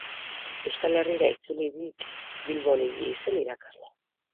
Euskal Herrira itzulirik, Bilbon ibili zen irakasle.